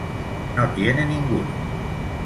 No tiene ninguno.